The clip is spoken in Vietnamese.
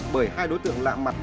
bởi hai đối tượng lạ mặt